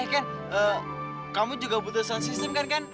eh ken kamu juga buta san sistem kan